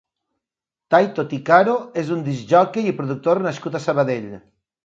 Taito Tikaro és un discjòquei i productor nascut a Sabadell.